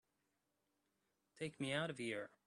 Take me out of here!